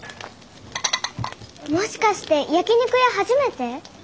もしかして焼き肉屋初めて？